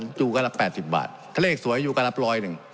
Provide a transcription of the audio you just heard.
ส์จู๋ก็รับแปดสิบบาทถ้าเลขสวยอยู่กะลับร้อยหนึ่ง